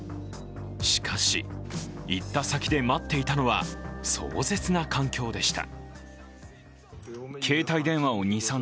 しかし、行った先で待っていたのは壮絶な環境でした。